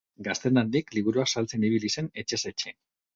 Gaztetandik liburuak saltzen ibili zen etxez etxe.